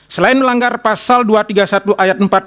selain melanggar pasal dua ratus tiga puluh satu ayat empat